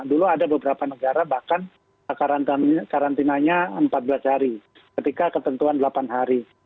dulu ada beberapa negara bahkan karantinanya empat belas hari ketika ketentuan delapan hari